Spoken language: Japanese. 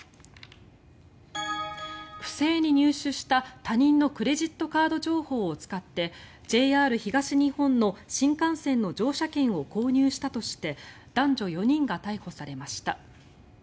不正に入手した他人のクレジットカード情報を使ってＪＲ東日本の新幹線の乗車券を購入したとして男女４人が逮捕されました。